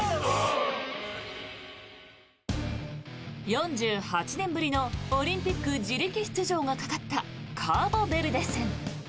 ４８年ぶりのオリンピック自力出場がかかったカーボベルデ戦。